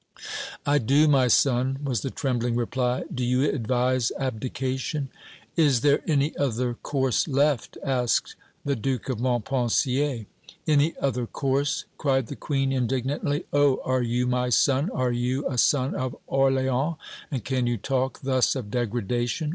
"I do, my son," was the trembling reply. "Do you advise abdication?" "Is there any other course left?" asked the Duke of Montpensier. "Any other course!" cried the Queen, indignantly. "Oh! are you my son are you a son of Orléans, and can you talk thus of degradation?